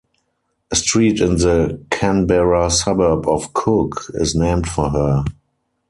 A street in the Canberra suburb of Cook is named for her.